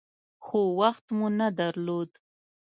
خو وخت مو نه درلود .